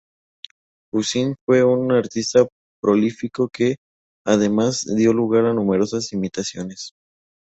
Poussin fue un artista prolífico que, además, dio lugar a numerosas imitaciones.